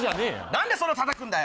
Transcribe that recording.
何でそんな叩くんだよ！